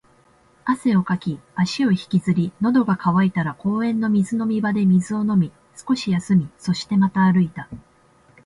汗をかき、足を引きずり、喉が渇いたら公園の水飲み場で水を飲み、少し休み、そしてまた歩いた